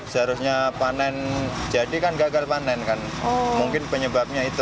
seharusnya panen jadi kan gagal panen kan mungkin penyebabnya itu